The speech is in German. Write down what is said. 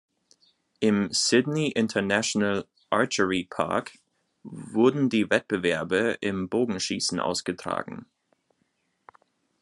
Im Sydney International Archery Park wurden die Wettbewerbe im Bogenschießen ausgetragen.